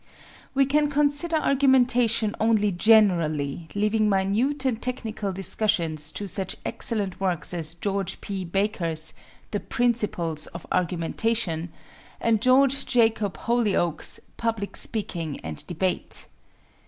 We can consider argumentation only generally, leaving minute and technical discussions to such excellent works as George P. Baker's "The Principles of Argumentation," and George Jacob Holyoake's "Public Speaking and Debate."